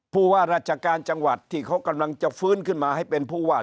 ผู้ว่าราชการจังหวัดที่เขากำลังจะฟื้นขึ้นมาให้เป็นผู้ว่า